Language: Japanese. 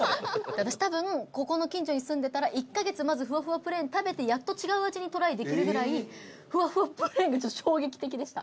私、多分ここの近所に住んでたら１カ月、まずふわふわプレーン食べてやっと違う味にトライできるぐらいふわふわプレーンがちょっと、衝撃的でした。